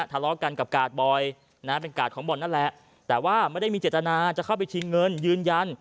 ทะเลาะกันกับกาดบอยนะเป็นกาดของบอลนั่นแหละแต่ว่าไม่ได้มีเจตนาจะเข้าไปชิงเงินยืนยัน